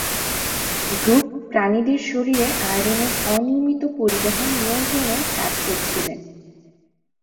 Brooke প্রাণীদের শরীরে আয়রনের অনিয়মিত পরিবহন নিয়ন্ত্রণের কাজ করছিলেন।